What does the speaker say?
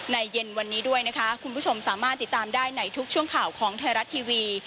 เย็นวันนี้ด้วยนะคะคุณผู้ชมสามารถติดตามได้ในทุกช่วงข่าวของไทยรัฐทีวี